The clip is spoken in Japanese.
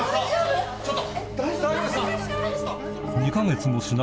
ちょっと！